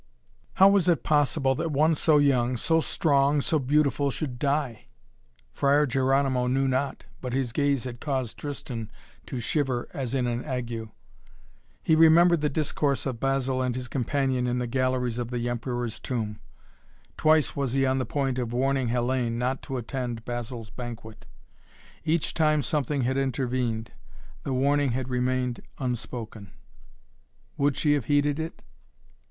How was it possible that one so young, so strong, so beautiful, should die? Friar Geronimo knew not. But his gaze had caused Tristan to shiver as in an ague. He remembered the discourse of Basil and his companion in the galleries of the Emperor's Tomb. Twice was he on the point of warning Hellayne not to attend Basil's banquet. Each time something had intervened. The warning had remained unspoken. Would she have heeded it?